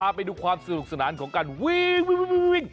ไปดูความสนุกสนานของการวิ่ง